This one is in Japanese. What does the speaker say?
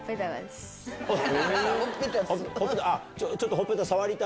ほっぺた。